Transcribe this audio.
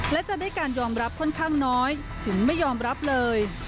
และจะได้การยอมรับค่อนข้างน้อยถึงไม่ยอมรับเลย